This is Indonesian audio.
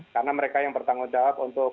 karena mereka yang bertanggung jawab untuk